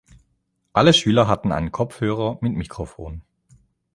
Alle Schüler hatten einen Kopfhörer mit Mikrophon.